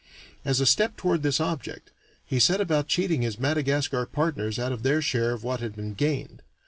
As a step toward this object, he set about cheating his Madagascar partners out of their share of what had been gained.